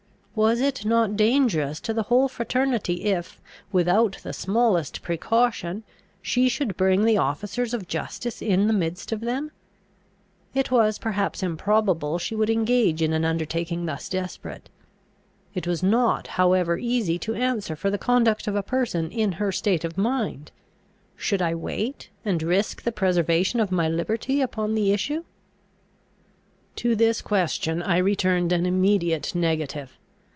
Was it not dangerous to the whole fraternity if, without the smallest precaution, she should bring the officers of justice in the midst of them? It was perhaps improbable she would engage in an undertaking thus desperate. It was not however easy to answer for the conduct of a person in her state of mind. Should I wait, and risk the preservation of my liberty upon the issue? To this question I returned an immediate negative.